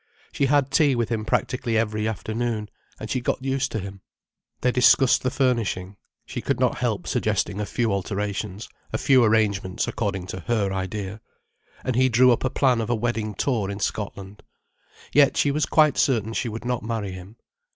She had tea with him practically every afternoon, and she got used to him. They discussed the furnishing—she could not help suggesting a few alterations, a few arrangements according to her idea. And he drew up a plan of a wedding tour in Scotland. Yet she was quite certain she would not marry him.